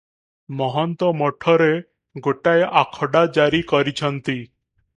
ମହନ୍ତ ମଠରେ ଗୋଟାଏ ଆଖଡା ଜାରି କରିଛନ୍ତି ।